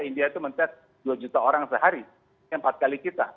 india itu men test dua juta orang sehari ini empat kali kita